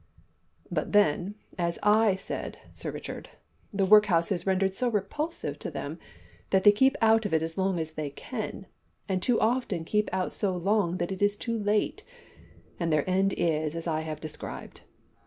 "But, then, as I said, Sir Richard, the workhouse is rendered so repulsive to them that they keep out of it as long as they can, and too often keep out so long that it is too late, and their end is as I have described.